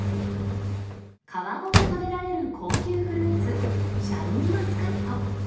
皮ごと食べられる高級フルーツ、シャインマスカット。